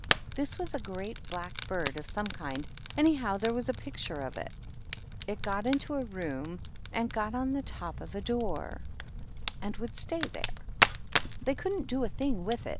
This was a great black bird of some kind, anyhow, for there was a picture of it. It got into a room, and got up on top of a door, and would stay there. THE MOCK TURTLE. 221 They couldn't do a thing with it.